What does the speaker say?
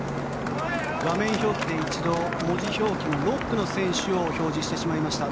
画面表記で一度誤字表記で６区の選手を表示してしまいました。